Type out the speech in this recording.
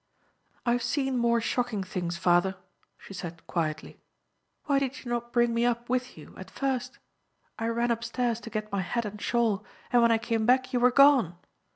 "I have seen more shocking things, father," she said, quietly. "Why did you not bring me up with you at first? I ran upstairs to get my hat and shawl, and when I came back you were gone.